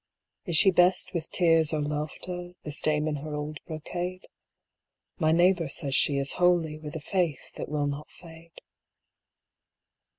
Is she best with tears or laughter, This dame in her old brocade? My neighbour says she is holy, With a faith that will not fade.